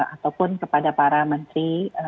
ataupun kepada para menteri